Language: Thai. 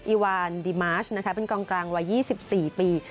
อวานดีมาร์ชนะคะเป็นกองกลางวัย๒๔ปี